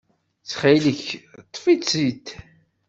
Ttxil-k, ṭṭef-itt-id.